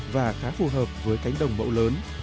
và khá phù hợp với cánh đồng mẫu lớn